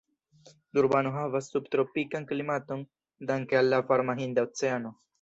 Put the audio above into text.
Durbano havas sub-tropikan klimaton danke al la varma Hinda Oceano.